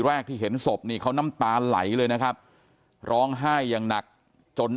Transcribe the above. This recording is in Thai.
แรกที่เห็นศพนี่เขาน้ำตาไหลเลยนะครับร้องไห้อย่างหนักจน